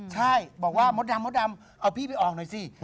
ใช่บอกว่ามดดำมดดำเอาพี่ไปออกหน่อยสิ